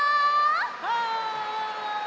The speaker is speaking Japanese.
はい！